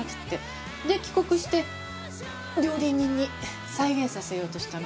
で帰国して料理人に再現させようとしたの。